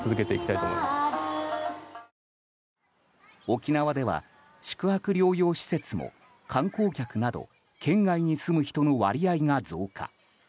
沖縄では宿泊療養施設も観光客など県外に住む人の割合が増加。